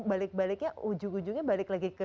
balik baliknya ujung ujungnya balik lagi ke